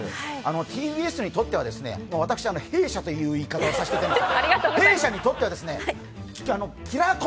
ＴＢＳにとっては私、「弊社」という言い方をさせていただきます。